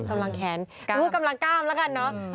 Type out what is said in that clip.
กำลังแขนลูกกำลังกล้ามแล้วกันเนอะ